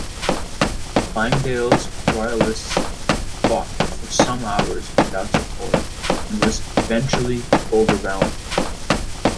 Langdale's Royalists fought for some hours without support and was eventually overwhelmed.